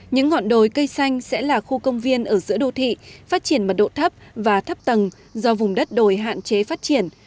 những ngọn đồi cây xanh sẽ là khu công viên ở giữa đô thị phát triển mật độ thấp và thấp tầng do vùng đất đồi hạn chế phát triển